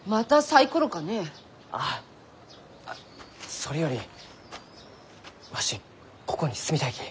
それよりわしここに住みたいき。